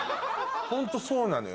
ホントそうなのよ